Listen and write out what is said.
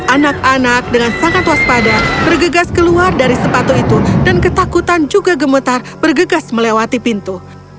anak anak dengan sangat waspada bergegas keluar dari sepatu itu dan ketakutan juga gemetar bergegas melewati pintu